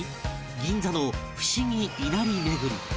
銀座の不思議稲荷巡り